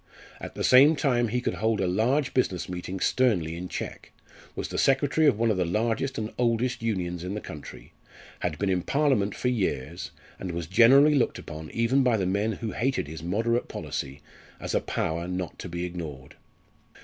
At the same time he could hold a large business meeting sternly in check, was the secretary of one of the largest and oldest Unions in the country, had been in Parliament for years, and was generally looked upon even by the men who hated his "moderate" policy, as a power not to be ignored.